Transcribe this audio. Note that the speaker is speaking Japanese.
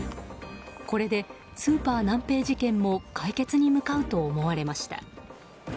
これで、スーパーナンペイ事件も解決に向かうと思われました。